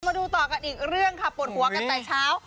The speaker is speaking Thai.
มาดูต่อกันอีกเรื่องค่ะปวดหัวกันแต่เช้า